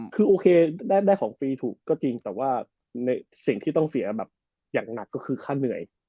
คือโอเคได้ของฟรีถูกก็จริงแต่ว่าในสิ่งที่ต้องเสียแบบอย่างหนักก็คือค่าเหนื่อย